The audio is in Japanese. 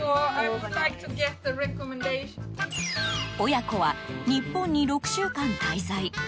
親子は日本に６週間滞在。